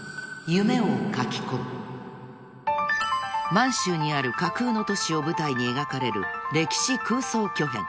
［満州にある架空の都市を舞台に描かれる歴史空想巨編］